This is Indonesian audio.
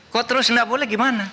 kok terus nggak boleh gimana